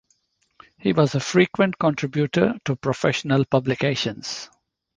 He was a frequent contributor to professional publications.